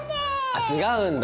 あ違うんだ。